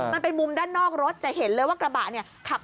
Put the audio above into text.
มันเป็นมุมด้านนอกรถจะเห็นเลยว่ากระบะเนี่ยขับ